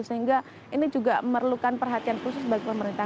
sehingga ini juga memerlukan perhatian khusus bagi pemerintah